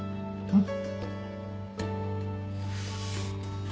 うん。